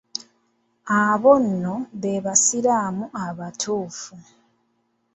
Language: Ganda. Abo nno be basiraamu abatuufu.